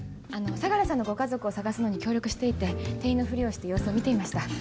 相良さんのご家族を捜すのに協力していて店員のふりをして様子を見ていました。